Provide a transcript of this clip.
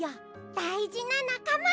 だいじななかま！